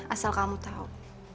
asal kamu tahu